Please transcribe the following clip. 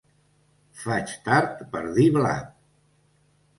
Faig tard per dir blat.